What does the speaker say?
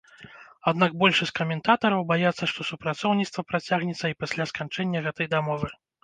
Аднак большасць каментатараў баяцца, што супрацоўніцтва працягнецца і пасля сканчэння гэтай дамовы.